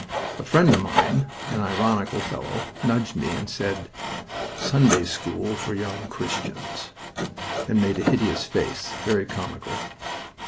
A friend of mine an ironical fellow nudged me, and said, "Sunday school for young Christians!" and made a hideous face, very comical.